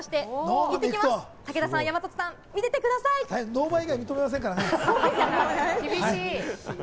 ノーバン以外、認めませんか厳しい！